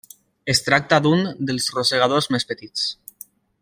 Es tracta d'un dels rosegadors més petits.